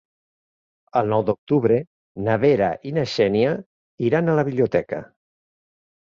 El nou d'octubre na Vera i na Xènia iran a la biblioteca.